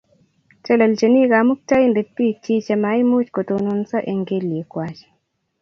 Telelenjini Kamukatindet bik chiik chemaimuchi kotononso eng kelywek kwai